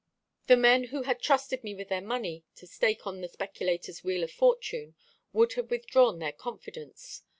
The men who had trusted me with their money to stake on the speculator's wheel of fortune would have withdrawn their confidence.